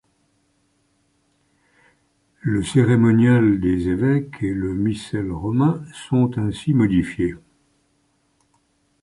Le cérémonial des évêques et le missel romain sont ainsi modifiés.